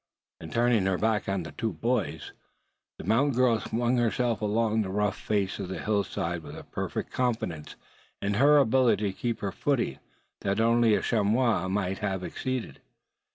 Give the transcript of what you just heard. Then turning her back on the two boys, the mountain girl swung herself along the rough face of the hillside with a perfect confidence in her ability to keep her footing that only a chamois might have exceeded.